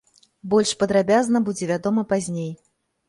Больш падрабязна будзе вядома пазней.